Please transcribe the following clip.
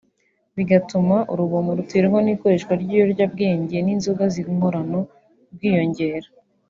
bigatuma urugomo ruterwa n’ikoreshwa ry’ibiyobyabwenge n’inzoga z’inkorano rwiyongera